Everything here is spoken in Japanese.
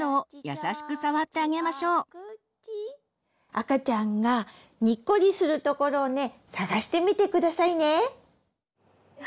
赤ちゃんがにっこりするところをね探してみてくださいね。